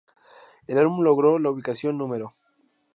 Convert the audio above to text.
El álbum logró la ubicación No.